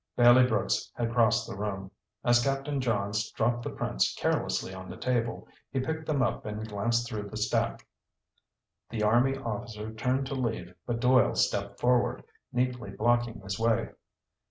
Bailey Brooks had crossed the room. As Captain Johns dropped the prints carelessly on the table, he picked them up and glanced through the stack. The army officer turned to leave but Doyle stepped forward, neatly blocking his way.